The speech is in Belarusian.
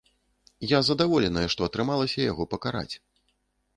Я задаволеная, што атрымалася яго пакараць.